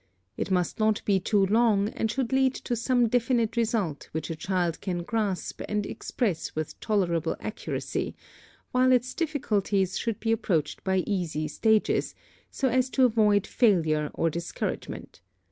It must not be too long, and should lead to some definite result which a child can grasp and express with tolerable accuracy, while its difficulties should be approached by easy stages, so as to avoid failure or discouragement.